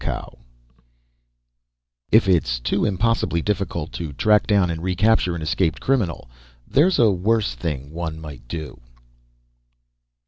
|++ _If it's too impossibly difficult to track down and recapture an escaped criminal ... there's a worse thing one might do....